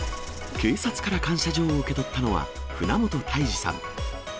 警察から感謝状を受け取ったのは、船本大仁さん。